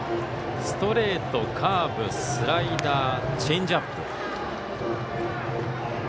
ストレート、カーブスライダー、チェンジアップ。